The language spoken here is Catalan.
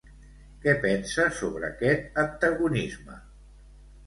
Què pensa sobre aquest antagonisme?